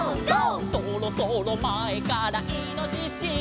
「そろそろ前からイノシシ」